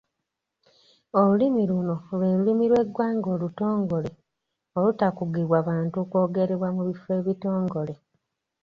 Olulimi luno lwe lulimi lw'eggwanga olutongole olutakugibwa bantu kwogerwa mu bifo ebitongole.